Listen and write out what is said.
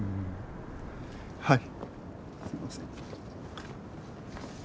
はい。